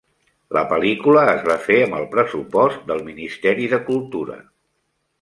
La pel·lícula es va fer amb el pressupost del Ministeri de Cultura.